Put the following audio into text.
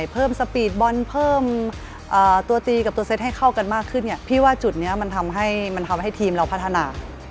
พัฒนาจุดนี้มันทำให้ทีมเราพัฒนา